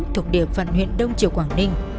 thuộc địa phận huyện đông triều quảng ninh